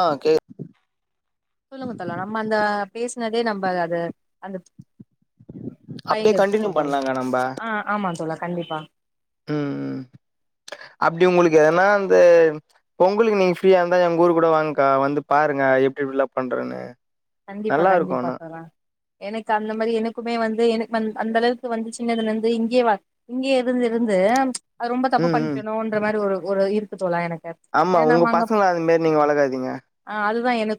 ஆ கேக் சொல்லுங்க தோழா நம்ம அந்த பேசனதே நம்ப அத அத அந்த அப்டியே பையங்க எடுத்து கண்டினியூ கொன்றாலு பண்லாங்க நம்ப ஆ ஆமா தோழர் கண்டிப்பா ம் ம் அப்டி உங்களுக்கு எதனா அந்த பொங்கலுக்கு நீங்க ஃப்ரீயா இருந்தா எங்க ஊரு கூட வாங்கக்கா வந்து பாருங்க எப்டி எப்டிலா பண்றன்னு கண்டிப்பா கண்டிப்பா தோழா எனக்கு அந்த மாரி எனக்குமே வந்து கு எனக்கு வந் அந்த அளவுக்கு வந்து சின்னதுல இருந்து இங்கே வ இங்கே இருந்து இருந்து அது ரொம்ப தப்பு ம் ம் பண்ணிட்டன்ற மாரி ஒரு ஒரு இருக்கு தோழா எனக்கு ஆமா ஏ உங்க நம்ம அங்க பசங்க அது மாரி நீங்க வளக்காதீங்க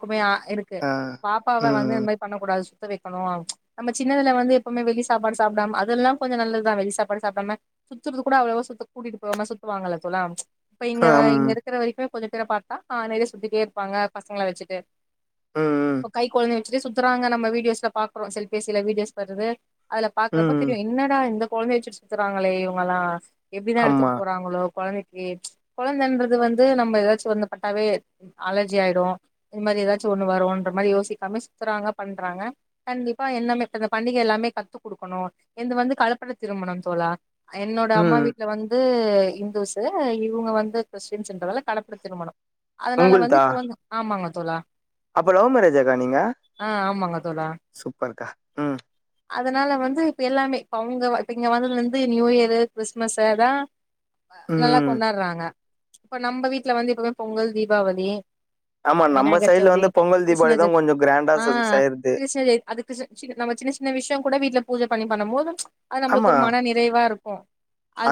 உண்மையா இருக்கு ஆ பாப்பாவ ம் வந்து ம் இந்த மாரி பண்ணக் கூடாது சொல் சுத்த வெக்கணு நம்ம சின்னதுல வந்து எப்பவுமே வெளி சாப்பாடு சாப்டாம அதெல்லா கொஞ்ச நல்லதுதா வெளி சாப்பாடு சாப்டாம சுத்துறது கூட அவ்வளவா சுத்த கூட்டிட்டு போவாம சுத்துவாங்கல்ல தோழா இப்ப இங்க ஆம் இங்க இருக்ற வரைக்குமே கொஞ்சோ பேர பாத்தா ஆ காலேல சுத்திட்டே இருப்பாங்க பசங்கள வச்சுட்டு ம் ம் கை கொழந்த வச்சுட்டு சுத்துறாங்க நம்ம விடியோஸ்ல பாக்றோ செல்பிஸ்யில வீடியோஸ் வருது அதுல பாக்குறப்ப ம் தெரியு என்னடா இந்த கொழந்தய வச்சுட்டு சுத்துறாங்களே இவங்கல்லா எப்டிதா ஆமா எடுத்துட்டு போறாங்களோ கொழந்தய கொழந்தைன்றது வந்து நம்ம ஏதாச்சு ஒந்த பட்டாவே அலர்ஜி ஆயிடு இந்த மாதிரி ஏதாச்சு ஒன்னு வரு இந்த மாதிரி யோசிக்காம சுத்துறாங்க பண்றாங்க கண்டிப்பா என்னந்த பண்டிகை எல்லாமே கத்து குடுக்கணு எந்து வந்து கலப்பட திருமணம் தோழா என்னோட அம்மா ம் வீட்ல வந்து இந்துஸு இவுங்க வந்து கிறிஸ்டின்ஸ்ன்றதுனால கலப்பு திருமணம் அதனால வந்து உங்குள்தா இப்ப வந்து ஆமாங்க தோழா அப்போ லவ் மேரேஜாக்கா நீங்க ஆ ஆமாங்க தோழா சூப்பர்க்கா உம் அதனால வந்து இப்ப எல்லாமே இப்ப அவுங்க இப்ப இங்க வந்ததுல இருந்து நியூ இயரு கிறிஸ்மஸ் அதா நல்லா ம் கொண்டாடுறாங்க இப்ப நம்ம வீட்ல வந்து எப்பவுமே பொங்கல் தீபாவளி ஆமா நம்ம விநாயகர் சைடு்ல சவுதி வந்து பொங்கல் தீப் ஆ அது சரி அதுக்கு நம்ம சின்ன சின்ன விஷயோ கூட வீட்ல பூஜ பண்ணி பண்ணும் போது அது நம்மளுக்கு ஆமா ஒரு மன நிறைவா இருக்கு ம்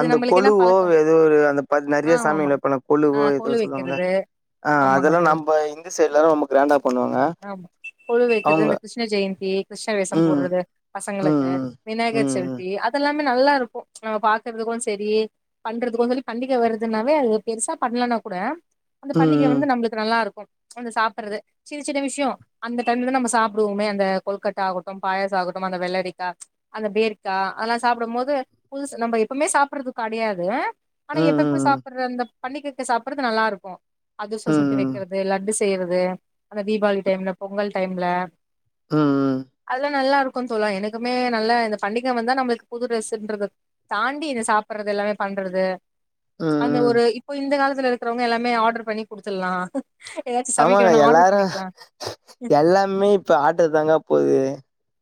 அந்த கொழுவோ எதோ ஒரு அந்த பதி ஆ நறையா ஆமா சாமிங்கள வெப்போல்ல ஆ கொழுவோ எதோ கொலு சொல்லுவாங்கள வைக்கிறது ஆ ஆமாங்க அதெல்லா தோழா நம்ப இந்து சைடு எல்லா ரொம்ப கிரேண்டா ஆமா கொலு வெக்குறது இந்த கிருஷ்ண ஜெயந்தி கிருஷ்ண வேஷம் ம். போடுறது பசங்களுக்கு ம். விநாயகர் ம். சதுர்த்தி அதெல் ல்லாமே நல்லா இருக்கு நம்ம பாக்குறதுக்கு சேரி பண்றதுக்கு சொல்லி பண்டிக வருதுன்னாவே அது பெருசா பண்ணலனா கூட அந்த ம். பண்டிக ம். வந்து நம்மளுக்கு நல்லா இருக்கும் அந்த சாப்புறது சின்ன சின்ன விஷயோ அந்த டைம்லதா நம்ம சாப்புடுவோமே அந்த கொலுகட்டா ஆகட்டும் பாயசோ ஆகட்டும் அந்த வெள்ளரிக்கா அந்த பேரிக்கா அதெல்லாம் சாப்புடும் போது புதுசு நம்ம எப்பமே சாப்படுறது கெடையாது ஆனா ம். எப்பப்ப ம். சாப்புடுற அந்தப் பண்ணிகக்க சாப்புடுறது நல்லா இருக்கு அதுசுசோ ம். சுட்டு ம். வெக்குறது லட்டுஸ் செய்யறது அந்த தீபாவளி டைம்ல பொங்கல் டைம்ல ம். ம். அதெல்லா நல்லா இருக் க்கும் தோழா எனக்குமே நல்லா இந்த பண்டிக வந்தா நம்மளுக்கு புது டிரஸ்ன்றது தாண்டி இந்த சாப்புறது எல்லாமே பண்றது அந்த ம். ஒரு இப்போ இந்த காலத் த்துல இருக்குறவங்க எல்லாமே ஆடரு பண்ணி குடுத்துல்லா எதாச்சு சமைக்கணுனா ஆடரு ரு எல்லாமே இப்ப ஆடரு தாங்க போகுது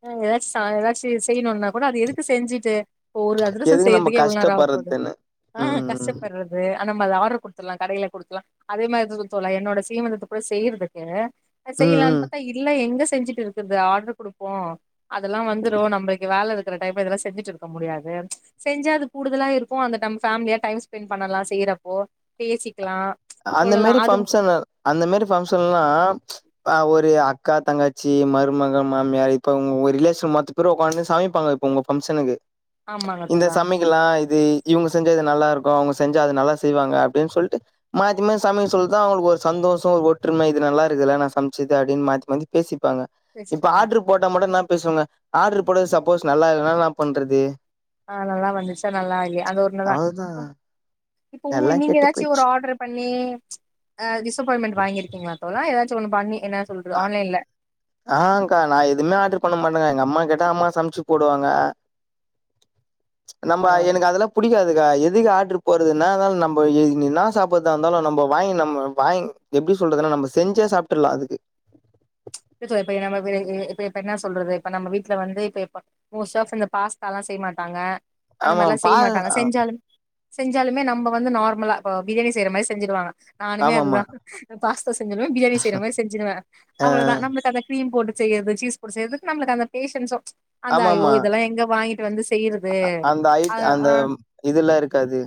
ஆ எதாச்சு சா எதாச்சி செய்யிணுன்னா கூட அது எதுக்கு செஞ்சுட்டு போ ஒரு அதிரசோ எதுக்கு நம்ம செய்யறதுக்கு எவ்ள நேரோ ஆகப் போகுது கஷ்டப்படுறதுன்னு. ஆ ம். கஷ்டப்படுறது ஆ நம்ம ஆடரு குடுத்துருலா கடைல குடுத்துலா அதே மாதிரி சுத்துலா என்னோட சீமந்தத்த கூட செய்யிறதுக்கு செய்யலான் ம். பாத்தா இல்ல எங்கஸ் செஞ்சுட்டு இருக்குறது ஆடர் குடு போ அதெல்லா வந்துரு நம்மளுக்கு வேல இருக் கரெக்ட் டைம்ல இதெல்லா செஞ்சுட்டு இருக்க முடியாது செஞ்சா அது கூடுதலா இருக்கு அந்த டம் ஃபேமிலியா டைம் ஸ்பென் பண்ணலா செய்றப்போ பேசி அந்த மாரி பங்க்ஷனு அந்த மாரி பங்க்ஷன் எல்லாம் அ ஒரு அக்கா தங்கச்சி மருமக மாமியார் இப்ப உங்க ஒர் ரிலேஷன் மத்த பேரு உக்காந்து சமைப்பாங்க இப்ப உங்க பங்க்ஷனுக்கு ஆமாங்க இந்த தோழா சமைக்கல்லா இது இவங்க செஞ்சா அது நல்லா இருக்கு அவங்க செஞ்சா அது நல்லா செய்வாங்க அப்டின் சொல்ட்டு மாத்தி மாத்தி சமையல் சொல்லுதா அவங்களுக்கு ஒரு சந்தோஷோ ஒரு ஒற்றுமை இது நல்லாக்குல்ல ன் சமச்சது அப்டின் மாத்தி மாத்தி பேசிப் பாங்க இப்ப பேசிப்பாங்க ஆடரு போட்டா மட நாம் பேசுவொல்ல ஆட்ரு போடது சப்போஸ் நல்லா இல்னா னா பண்றது? ஆ நல்லா வந்துர்ச்சா நல்லா இல்லயா அது ஒன்னுதா அவ்வளோதான் பொ இப்போ உங்க எல்லாம் நீங்க கெட்டு எதாச்சு ஒரு போயிடுச்சு. ஆர்டர் பண்ணி அ டிசப்பாயின்மென்ட் வாங்கிருக்கீங்ளா தோழா‌ எதா ச்சு ஒன்னு பண்ணி என்ன சொல்றது ஆன்லைன்ல ஆஹ கா நா எதுவ்மே ஆர்டர் பண்ண மாட்டே கா எங்கம்மா கேட்டா அம்மா சம்ச்சு போடுவாங்க நம்ப பரவால்ல எனக்கு அதெல்லா புடிக்காது ஆ எதுக்கு ஆட்ரு போறதுனானால் நம்ப எ என்னா சாப்பற்தா இருந்தாலு நம்ப வாங்கி நம்ம வாங் எப்டி சொல்றதுனா நம்ம செஞ்சே சாப்ட்றலா அதுக்கு இப்ப இப்ப நம்ப இப்ப இப்ப என்ன சொல்றது இப்ப நம்ம வீட்ல வந்து இப்ப‌ எப்ப மோஸ்ட் ஆஃப் இந்த பாஸ்தால்லா செய்ய மாட்டாங்க அந்த ஆமா மார்லா பா செய் மாட்டாங்க செஞ்சாலும் செஞ்சாலுமே நம்ப வந்து நார்மலா இப்ப பிரியாணி செய்ற மாரி செஞ்சுருவாங்க நானுமே ஆமாமா அதுதா பாஸ்தா செஞ்சுருவே பிரியாணி செய்ற மாரி செஞ்சுருவே அ அவ்ளதா த கிரீம் போட்டு செய்யது சீஸ் போட்டு செய்யதுக்கு நம்ளுக்கு அந்த பேஷன்ஸு அந்த ஐயோ ஆமாமா இதெல்லா எங்க வாங்கிட்டு வந்து செய்யறது அந்த அ அயிட் அந்த ஆ இதுல்லா இருக்காது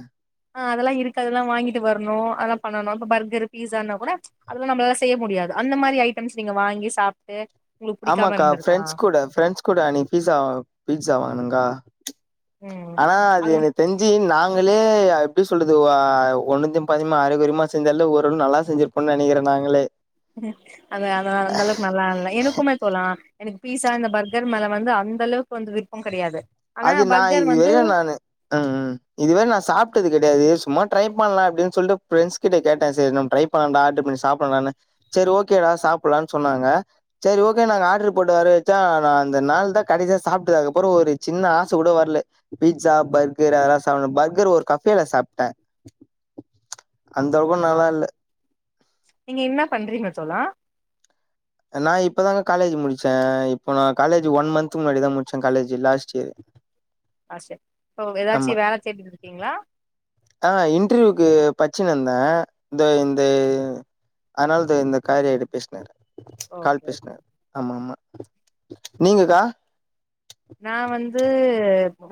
ஆ அதல்லா இருக்கதலா வாங்கிட்டு வரனு அல்லா பண்ணனு‌ இப்ப பர்கரு பீஸான்னா கூட அதல்லா நம்ளால செய்ய முடியாது அந்த மாரி ஐட்டம்ஸ் நீங்க வாங்கி சாப்ட்டு உங்களுக்கு புடிக்காம ஆமாக்கா இருந்திருக்கா ஃப்ரெண்ட்ஸ் கூட ஃப்ரெண்டஸ் கூட அனை பீஸா பீட்ஸா வாங்குனங்கா ஆனா அது என தெஞ்சி நாங்க லேய எப்டி சொல்றது வ ஒன்னுத்தயு‌ பாதியுமா அரகொறியுமா செஞ்சால ஓரள நல்லா செஞ்சிருப்போன் நெனகிறே நாங்களே அது அதா அந்தளவுக்கு நல்லால எனக்குமே தோழா எனக்கு பீஸா இந்த பர்கர் மேல வந்து அந்த அளவுக்கு வந்து விருப்பம் கடயாது அது நா இது வரையு நானு ம் ம் இதுவர நா சாப்டது கெடையாது சும்மா ட்ரை பண்லா அப்டின் சொல்ட்டு ஃப்ரெண்ட்ஸ் கிட்ட கேட்டே சேர் நம் ட்ரை பண்லான்டா ஆட்ரு பண்ணி சாப்புல்லான்டானு செர் ஓகேடா சாப்புல்லான் சொன்னாங்க சேரி ஓகே நாங்க ஆட்ரு போட்டு வர வச்சா நா அந்த நாள் தா கடைசா சாப்டது அதுக்கப்றொ ‌ஒரு சின்ன ஆச கூட வர்ல பீ்ட்ஸா பர்கர் அதல்லா சாப்புனு பர்கர் ஒரு கஃபேல சாப்டே ஓகேங்க அந்தவுக்கு தோழா நல்லா இல்ல நீங்க என்ன பண்றீங்க தோழா நா இப்பதாங்க காலேஜு முடிச்சே இப்போ நா காலேஜு ஒன் மந்த்து முன்னாடிதா முடிச்சே காலேஜு லாஸ்ட் இயரு ஆ சே இப்போ எதாச்சு வேல தேடிட்ருக்கீங்ளா? ச்சுனுந்தே இந்த இந்தே அதுனால் தா இந்த காரியா இது பேசினுகுறே கால் ஓகே ஓகே பேசுன ஆமாமா நீங்கக்கா? நா வந்து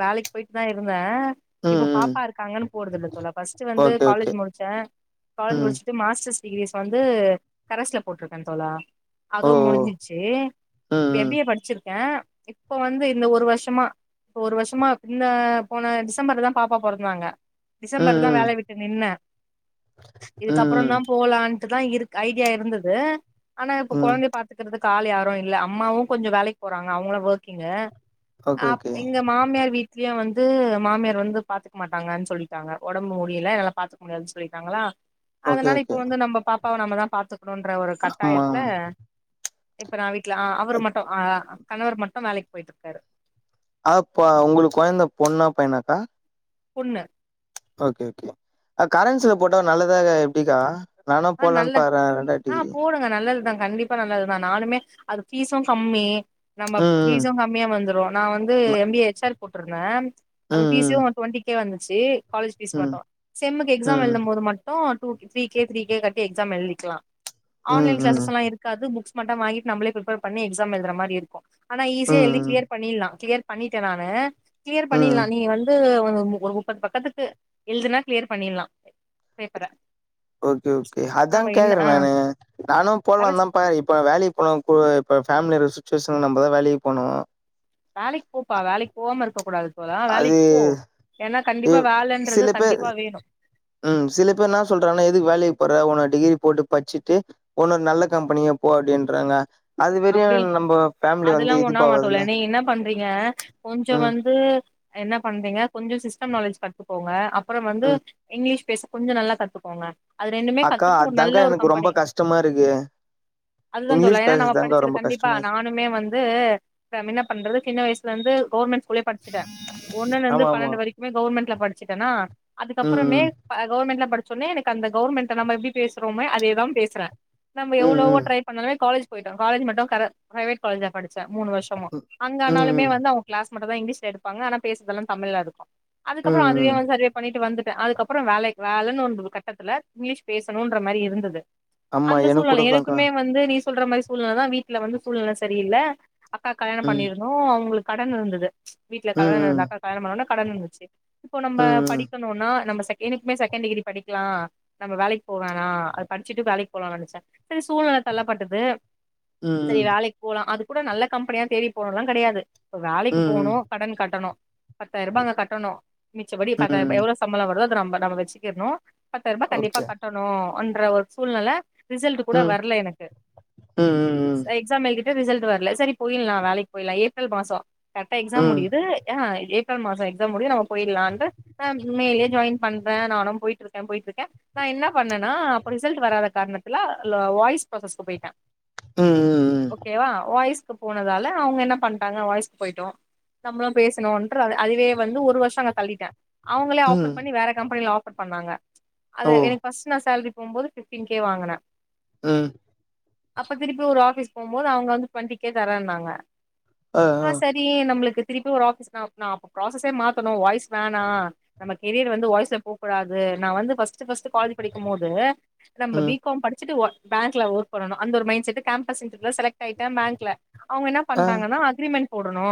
வேலைக்கு போயிட்டுதா இருந்த ம் இப்ப ம் பாப்பா இருக்காங்கன்னு போறதில்லா தோழா ஃபர்ஸ்ட் வந்து ஓகே காலேஜ் ஓகே முடிச்சே காலேஜ் ம் முடிச்சிட்டு மாஸ்டர்ஸ் டிகீரிஸ் வந்து கரசுல போட்ருக்கே தோழா ஓ அதுவு ஓ முடிஞ்சிச்சி இப்ப ம் எம்பிஏ படிச்சிருக் கே இப்ப வந்து இந்த ஒரு வருஷமா இப்போ ஒரு வருஷமா இந்த போன டிசம்பர்லதா பாப்பா பொறந்தாங்க ம் ம் டிசம்பர்தா ம் வேலை விட்டு நின்ன ம் இதுக்கப்புறோதா போலான் த்துதா இருக் ஐடியா இருந்தது ஆனா இப்ப ம் ம் கொழந்தைய பாத்துக்கறது தால் யாரு இல்ல அம்மாவு கொஞ்சோ வேலைக்கு போறாங்க அவங்களு ஓக்கிங்கு ஓகே அப் ஓகே எங்க மாமியார் வீட் டிலியா வந்து மாமியார் வந்து பாத்துக்க மாட்டாங்கன்னு சொல்லிட்டாங்க ஒடம்பு முடியல என்னால பாத்துக்க முடியாதுன்னு சொல்லிட்டாங்களா ஓகே அதனால ஓகே இப்ப வந்து நம்ம பாப் ப்பாவ நம்மதா பாத்து க்கணுன்ற ஒரு ஆமா கட்டாயத்துல இப்ப நா வீட்ல அ அவர் மட்டு அ கணவர் மட்டு வேலைக்கு போயிட்டுக்காரு அப்பா உங்களுக்கு கொழந்த பொண்ணா பையனாக்கா பொண்ணு ஓகே ஓகே கரன்ஸ்ல போட்ட நல்லதா எப்பிடிக்கா நானு ஆ போலன்னு நல்ல பாக்றே ரெண்டாது ஆ டிகிரி போடுங்க நல்லதுதா கண்டிப்பா நல்லது நா நானுமே அது பீஸும் கம்மி நம்ம ம் பீஸும் கம்மியா வந்துரு நா வந்து எம்பிஏ ஹெச் ஆர் போட்டுருந்தே அது ம் பீசிம் ஒன்டொன்டிக்கே வந்து ச்சி காலேஜ் பீஸ் ந ம் மட்டு செம்முக்கு ம் எக்ஸாம் எழுது ம் போது மட்டு டு த்ரீ கே கே கட்டி எக்ஸாம் எழுதிக்கலா ம் ஆன்லைன் ம் ம் கிளாஸஸ் எல்லா இருக்காது புக்ஸ் மட்டு வாங்கிட்டு நம்ளே பிரிப்பர் பண்ணி எக்ஸாம் எழுதுதர மாரி இருக்கு ஆனா ஈஸியா எழுதி ம் கிளியர் பண்ணிலா கிளியர் பண்ணிட்டே நானு கிளியர் ம் ம் பண்ணிடலாம் நீ வந்து ஒரு மு ஒரு முப்பது பக்கத்துக்கு எழுதுனா கிளியர் பண்ணிடலாம் பேப்பர ஓகே ஓகே அதான் நம்ம என்ன கேக்கறே ஆ நானு நானும் போலாம் கரஸ் தான் பாக்கறே இப்ப வேலைக்கு போன போ இப்ப ஃபேமிலி இருக்கற சுச்சுவேஷன்ல நம்ப தா வேலைக்கு போனும் வேலைக்கு போப்பா வேலைக்கு போவாம இருக்க கூடாது தோழா அது வேலைக்கு போ ஏன்னா கண்டிப்பா இல் வேலன்றது சில பேர் கண்டிப்பா வேணு ம் சில பேர் என்னா சொல்றனா எதுக்கு வேலைக்கு போற உன்ன டிகிரி போட்டு பச்சிட்டு ஒன்னொ நல்ல கம்பெனிக்கா போ அப்டின்றாங்க அப்டி அதெல்லாம் ஒன்னு ஆவாது இதுவாகுதுல்ல. தோழர் நீ என்ன பண்றீங்க கொஞ்சோ ம், வந்து என்ன பண்றீங்க கொஞ்சோ சிஸ்டம் நாலேஜ் கத்துக்கோங்க அப் பறம் வந்து ம். இங்கிலீஷ் பேச கொஞ்ச நல்லா கத்துக்கோங்க அது ரெண்டுமே அக்கா கத்துட்டு ஒரு நல்ல அதாங்க்கா ஒரு எனக்கு ரொம்ப கம்பெனி கஷ்டமா இருக்கு அதுதா தோழா இங்கிலீஷ் ஏன்னா நம்ம பேசருதா படிச்சது கண்டிப்பா நானுமே வந்து நம்ம என்ன பண்றது சின்ன வயசுல இருந்து கவுர்மெண்ட்ஸ் ஸ்குலே படிச்சிடன் ஒன்னுல இருந்து ஆமாமா. பன்னண்டு வரைக்குமே கவுர்மெண்ட்ல படிச்சிட்டனா ம், அதுக்கப்பறமே ம். ப கவர்மெண்ட்ல படி ச்ச ஒன்னே எனக்கு அந்த கவுர்மெண்டட நம்ம எப்டி பேசுறோமே அதேதான் பேசற நம்ம ம், எவ்ளோவோ ம். ட்ரை பண்ணாலுமே காலேஜி டன் காலேஜி மட்டும் கர பிரைவேட் காலேஜில படிச் சன் மூணு வருஷமா ம், அங்க ம், ஆனாலுமே வந்து அவுங்க கிளாஸ் மட்டும் தான் இங்கிலீஷ்ல எடுப்பாங்க ஆனா பேசறதல்லாம் தமிழ்ல இருக்கும் அதுக்கப்புறம் ம், அதுவே ம். வந்து சர்வே பண்ணிட்டு வந்துட் அதுக்கப்புறம் வேலைக் வேலைன்னு ஒன்று கட்டத்துல இங்கிலீஷ் பேசணும்ன்ற மாரி இருந்தது ஆமா, அந்த எனக்கு சூழ்நல கூட தான்க்கா. எனக்குமே வந்து நீ சொல்ற மாரி சூழ்நல தா வீட்ல வந்து சூழ்நல சரியில்ல அக்காக் கல்யாணம் ம். பண்ணிருந்தோம் அவுங்களுக் கடன் இருந்தது வீட்ல கடன் இருந்தது ம் அக்காக்கு கல்யாணம் பண்ணவுனே கடன் இருந்துச்சி இப்போ நம்ப ம் படிக்கணுனா நம்ம எனக்குமே செகண்ட் டிகிரி படிக்கலா நம்ம வேலைக்கு போவோனா அது படிச்சுட்டு வேலைக்கு போலாம்னு நெனச்சே சேரி சூழ்நில தள்ளப்பட்டது சரி ம் வேலைக்கு போலா அதுக்கு கூட நல்ல கம்பெனியா தேடி போனோனு எலா கெடயாது இப்ப வேலைக்கு போனு ம் கடன் கட்டணு பத்தாயிர ரூபா அங்க கட்டணு மிச்சப்படி பாத்தா ம் எவ்ளோ சம்பள வருதோ புது நம்பர் நம்ம வச்சுக்கணு பத்தாயிர ரூபா கண்டிப்பா ஓகே கட்டணு பன்ற ஒரு சூழ்நெல ரிசல்டு கூட ம் வரல எனக்கு ம் ம் எக்ஸாம் எழுதிட் இன்னு ரிசல்ட் வரல சரி போய்றலா வேலைக்கு போய்றலா ஏப்ரல் மாசோ கரெக்டா எக்ஸாம் ம் முடியுது ஆ ஏப்ரல் மாசோ எக்ஸாம் முடியு நம்ம போயிடலான்னுட்டு நா உண்மையிலே ஜாய்யின் பண்றே நானு போயிட்டு இருக்கே போயிட்டு இருக்கே நா என்ன பண்ணேன்னா அப்போ ரிசல்ட் வராத காரணத்துல வாய் பர்பசஸ்க்கு போயிட்டே ம் ஓகே வா வாய்ஸ் போனதால அவுங்க என்ன பண்ணிட்டாங்க வாய்ஸ்க்கு போய்டோ நம்மளு பேசனுன்ற அதுவே வந்து ஒரு வருஷோ அங்க தள்ளிட்டே அவுங்களே ம் ஆஃபர் பண்ணி வேற கம்பெனில பண்ணாங்க அது ஓ எனக்கு பஸ்ட் நா சேலரி ஒன்போது பிப்டீன் கே வாங்கினே ம்ம் அப்போ திருப்பி ஒரு ஆபீஸ்க்கு போகும்போது அவுங்க வந்து டுவண்டிக் கே தரேனாங்க ஆ சரி நம்மளுக்கு திருப்பி ஒரு ஆபஸ் நா நா அப்போ ப்பிராசஸ்யே மாத்தணு வாய்ஸ் வேணா நமக்கு கேரியர் வந்து வாய்ஸ்ல போக கூடாது நா வந்து பஸ்ட்டு பஸ்ட்டு பஸ்ட்டு காலேஜ் படிக்கும் போது நம்ம பி ம் காம் படிச்சுட்டு ஒர்க் பேங்க்ல ஒர்க் பண்ணனு அந்த ஒரு மைண்ட செட்டு கேம்பஸ் இன்டர்யுலா செலக் ஸ்டைட்டா பேங்க்ல அவுங்க இன்னா ஆ பண்றாங்கன்னா அக்ரிமெண்ட் போட்டுணு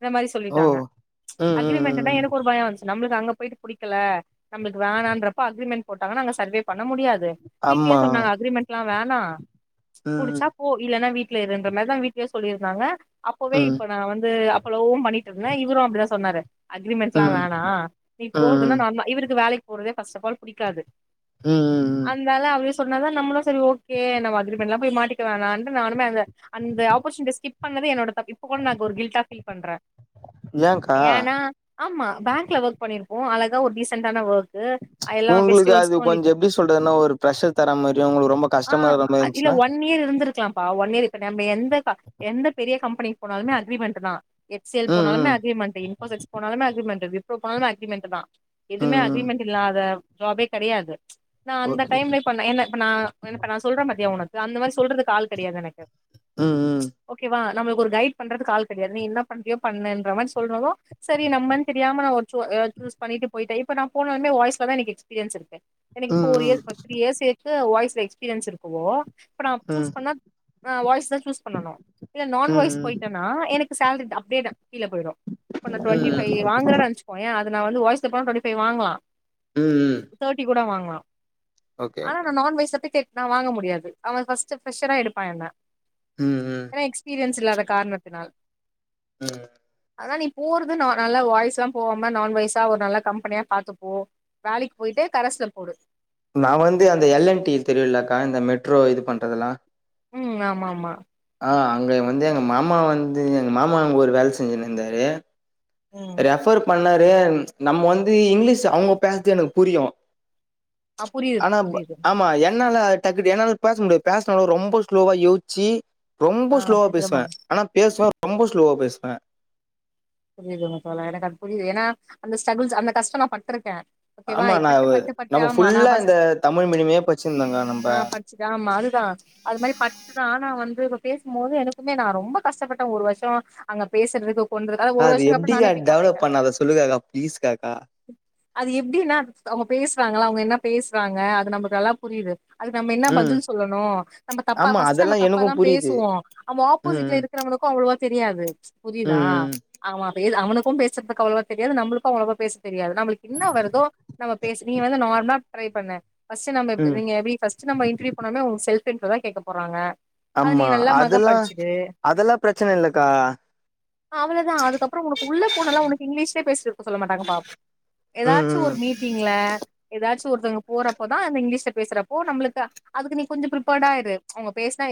இந்த மாரி ஓ சொல்லிட்டாங்க ம் அக்ரிமெண்ட்னா ம் ம் எனக்கொரு ஒரு பயோம் வந்துச் நம்மளுக்கு அங்க போயிட்டு புடிக்கல நம்மளுக்கு வேணான்ற அப்போ அக்ரிமெண்ட் போட்டாங்கனா அங்க சர்வே பண்ண முடியாது பீட்டியே ஆமா சொன்னாங்க அக்கிரிமெண்ட்லா வேனா நா அ ம் புடிச்சா போ இல்லன்னா வீட் ல இருன்ற மாரிதா வீட்லயே சொல்லிருந்தாங்க அப்பவே ம் இப்ப நா வந்து அப்போ லவ்வு பன்னி எப்டினா இவரும் அப்பிடிதா சொன்னாரு அக்ரிமெண்ட்லா ம் வேணா நீ போறதுன்னா ம் நார்ம இவுருக்கு வேலைக்கு போறதே பஸ்ட் அப் ஆல் புடிக்காது ம் அந்தாலு அவுரே சொன்னதா நம்மளும் சரி ஓகே ஓகே நம்ம அக்ரிமெண்ட்லா போய் மாட்டிக்க வோனா நானுமே அந்த ஆப்பர்சுனிட்டி ஸ்கிப் பண்ணது என்னோட தப் இப்ப கூட நா கில்டா பீல் பண்றேன் ஏன்க்கா ஏன்னா ஆமா பேங்க்ல ஒர்க் பண்ணிரு கும் அழகா ஒரு டிசன்டான ஒர்க் உங்களுக்கு அது கொஞ்சோ எப்டி சொல்றதுன்னா ஒரு பிஷர் தர மாரி உங்களுக்கு ரொம்ப கஷ் டமா இருக்க மார் இருந்துச்சுனா இருந்திக்குலாம்பா ஒன் இயர் நம்ம எந்த எந்த பெரிய கம்பெனிக்கு போனாலுமே அக்ரிமெண்ட்டு தான் எக்ல் ம் போனாலுமே ம் அக்ரிமெண்ட் இன்ஃபோசக்ஸ் போனாலுமே அக்ரிமண்ட் போனாலு அக்ரிமெண்ட்டு தா எதுமே ம் அக்ரிமெண்ட் இல்லாத ஜாபே கெடையாது நா அந்த ஓகே ஓகே டைம்லே பண்ணே என்ன இப்ப நா என்ன நா சொல்றன் பாத்தியா உனக்கு அந்த மாரி சொல்றது கால் கெடையாது எனக்கு ம் ம் ஓகேவா நம்மளுக்கு ஒரு கையிட் பண்றது ஆல் கெடையாது நீ என்ன பண்றியோ பண்ணுன்ற மாரி சொல்லறதோ சரி நம்மன் தெரியாம நா ஒரு சூ சூஸ் பண்ணிட்டு போயிட்டேன் இப்ப நா போணோன ஏ வாய்ஸ்ல தா எனக்கு எஸ்பீரியன்ஸ் இருக்கு எனக்கு ம் போர் ம் இயர் திரீ இயர் எக்ஸ் ம் வாய்ஸ் [unintelligible] [unintelligible] இருக்குவோ அப்பனா ம் சூஸ் பண்ணா நா வாய்ஸு சூஸ் பண்ணணு இல்ல ம் நான் வாய்ஸ் ம் போய்டனா எனக் சேலரி தா அப்டே தா கீழ போய்டும் இப்ப நா டூவெண்டி ம் ஃபைவ் ம் வாங்றன் நெனச்சுகோயே அத் இப்ப நா வந்து வாய்ஸ் [unintelligible] டூவெண்டி ஃபைவ் வாங்லா ம் தேர்ட்டி கூட வாங் ஓகே [unintelligible] ஆனா நா நான் வெஜ் சத்தி கேட் நா வாங்க முடியாது அவன் ஃபர்ஸ்ட் ப்ரெஷரா எடுப்பா என்ன ம் ம் எனா எக்ஸ்பீரியன்ஸ் இல்லாத காரணத்தினால் ம் அதா நீ போறது நா நல்ல வாய்ஸ்லம் போவாம நான் வாய்ஸா ஒரு நல்ல கம்பெனியா பாத்துப்போ வேலைக் போய்ட்டு கரெஸ்ல போடு நா வந்து அந்த எல் என் டி தெரியுயில்லக்கா இந்த மெட்ரோ இது பண்றதெல்லா ம் ஆமாமா ஆ அங்க வந்து எங்க மாமா வந்து எங்க மாமா அங்கொரு வேல் செஞ்ஞின் இருந்தாரு ம் ரெஃபர் பண்ணர் ஏன் நம்ம வந்து இங்கிலீஷ் அவுங்க பேஸ்து எனக் புரியு ஆ புரிது ஆனா ப புரிது ஆமா என்னால டக்கு என்னால பேச முடியாது பேசுனாலு ரொம்ப ஸ்லோவா யோசிச்சு ரொம்ப ஆ ஸ்லோவா பேசுற பேசுவ மாரி ஆனா பேசுவ ரொம்ப ஸ்லோவா பேசுவ புரியுதுங்க தோழா எனக் அது புரிது ஏனனா அந்த ஸ்ட்ரகுள்ஸ் அந்த கஷ்டோ நா பட்டிருக்க ஆமா நா வு நம்ம ஃபுல்லா இந்த ஃபஸ்ட் தமிழ் மீடிமே படிச்சின்யிந்தாங்கா நம்ப தா அது மாரி பட்டு தா ஆனா வந்து இப்ப பேசும் போது எனக்குமே நா ரொம்ப கஷ்டப்பட்ட ஒரு வருஷோ அங்க பேசுறதுக்கு கொண்டு ஆ ஒரு அது வருஷோ கப்ற எப்டிக்கா நானே பிக்கப்பாய்ட்ட டெவலப் பண்ண அத சொல்லுங்கக்கா ப்ளீஸ்காக்கா அது எப்டினா அவுங்க பேசுறாங்களா அவுங்க என்னப் பேசுறாங்க அது நமக் நல்லா புரிது அதுக்கு நம்ம என்ன ம் பதில் சொல்லணு நம்ம தப்பா ஆமா ஃபர்ஸ்ட் நம்ம அதெல்லா தப்ப எனக்கு தா புரியுது பேசுவோ அவன் ம் ஆப்போசிட்ல இருக்கிறவனுக்கு அவ்ளவா தெரியாது புரிதா ம் ம் மா பேஸ் அவனுக்கு பேசுறதுக்கு அவ்ளோவா தெரியாது நம்மளுக்கு அவ்ளோவா பேஸ் தெரியாது நம்மளுக்கு என்ன வருதோ நம்ம பேச நீ வந்து நார்மலா ட்ரை பண்ணு ஃபஸ்ட்டு நம்ம இப்ப ம் நீங்க எப்டி ஃபஸ்ட்டு நம்ம இண்டர்வியூ போனொன்னே உங்க செல்ப் இன்ட்ரோதா கேக்க போறாங்க அது நீ ஆம்மா நல்லா மக அதெல்லா படிச்சிடு அதெல்லா பிரச்சன இல்லக்கா தா அதுக்கப்புறோ உனக்கு உள்ள போனாலா உனக்கு இங்கிலீஷ்யே பேசிட்டு இருக்க சொல்ல மாட்டாங்க பா ம் எதாச்சு ம் ஒரு மீட்டிங்ல எது எதாச்சு ஒருத்தவங்க போறப்போதா அந்த இங்கிலீஷ்ல பேசுறப்போ நம்மளுக்கு அதுக்கு நீ கொஞ்சோ பிப்பேர்டா இரு அவங்க பேசுனா